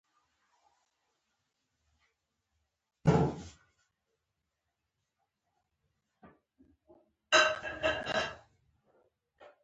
پاکي اوبه د صحت لپاره لازمي دي.